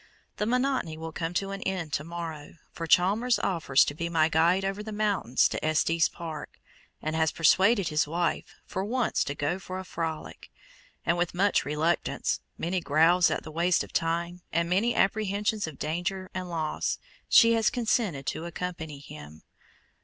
The monotony will come to an end to morrow, for Chalmers offers to be my guide over the mountains to Estes Park, and has persuaded his wife "for once to go for a frolic"; and with much reluctance, many growls at the waste of time, and many apprehensions of danger and loss, she has consented to accompany him.